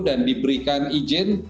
dan diberikan izin